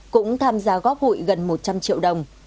cũng tham gia góp hụi gần một trăm linh triệu đồng